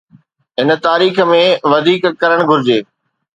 هن تاريخ ۾ وڌيڪ ڪرڻ گهرجي.